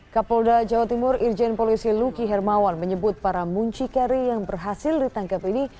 kapolda jawa timur irjen polisi luki hermawan menyebut para muncikari yang berhasil ditangkap ini